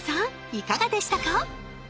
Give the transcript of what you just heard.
いかがでしたか？